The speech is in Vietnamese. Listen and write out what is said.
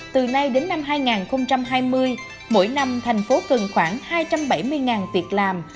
từ nay đến năm hai nghìn hai mươi mỗi năm thành phố cần khoảng hai trăm bảy mươi việc làm